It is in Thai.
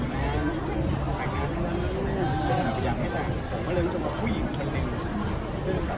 แม่เขาก็คือพูดกับพี่ตลอด